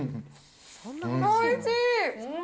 おいしい！